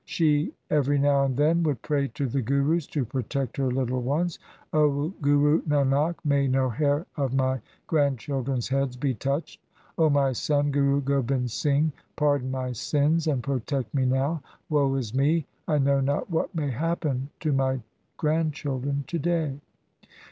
She every now and again would pray to the Gurus to protect her little ones :' O Guru Nanak, may no hair of my grandchildren's heads be touched! O my son, Guru Gobind Singh, pardon my sins and protect me now ! Woe is me ! I know not what may happen to my grandchildren to day.'